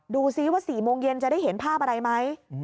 ดูซิว่า๔โมงเย็นจะได้เห็นภาพอะไรไหม